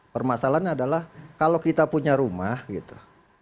permasalahannya adalah kalau kita punya rumah gitu